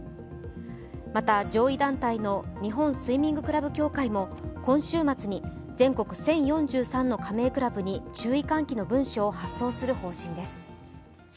また上位団体の日本スイミングクラブ協会も今週末に全国１０４３の加盟クラブに注意喚起の文書を発送する方針です。